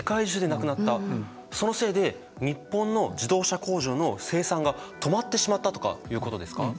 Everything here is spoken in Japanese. そのせいで日本の自動車工場の生産が止まってしまったとかいうことですか？